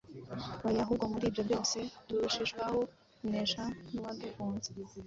Oya, ahubwo muri ibyo byose turushishwaho kunesha n’uwadukunze.